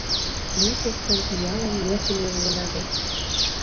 Ме коктын тӱнялан йӧрдымӧ улына вет...